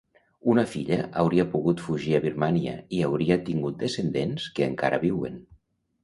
Una filla hauria pogut fugir a Birmània i hauria tingut descendents que encara viuen.